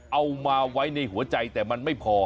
เอาไว้ในหัวใจแต่มันไม่พอ